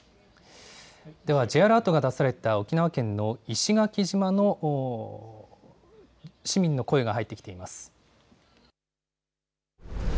ではＪアラートが出された沖縄県の石垣島の市民の声が入ってきています。